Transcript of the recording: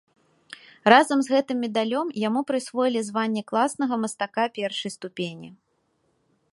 Разам з гэтым медалём яму прысвоілі званне класнага мастака першай ступені.